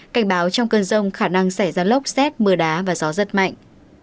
cảnh báo trong cơn rông khả năng xảy ra lốc xét mưa đá và gió rất mạnh